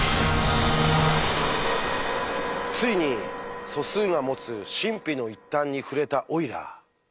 ついに素数が持つ神秘の一端に触れたオイラー。